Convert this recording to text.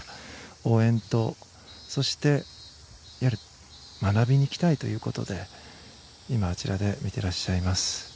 応援と、そして学びに行きたいということで今、あちらで見ていらっしゃいます。